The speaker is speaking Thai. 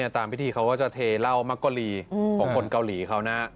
ตามพิธีเขาก็จะเทเหล้ามักกะลีของคนเกาหลีเขานะ